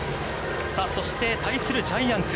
そして、対するジャイアンツ。